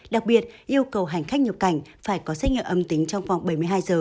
đặc biệt yêu cầu hành khách nhập cảnh phải có xét nghiệm âm tính trong vòng bảy mươi hai giờ